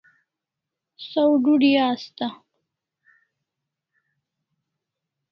Saw dudi asta